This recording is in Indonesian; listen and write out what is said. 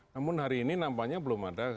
namun hari ini nampaknya belum ada